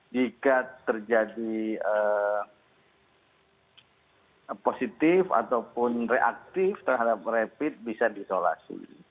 jika terjadi positif ataupun reaktif terhadap rapid bisa diisolasi